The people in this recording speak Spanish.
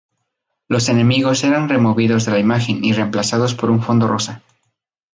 Los enemigos eran removidos de la imagen y remplazados por un fondo rosa.